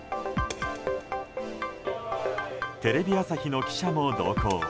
テレビ朝日の記者も同行。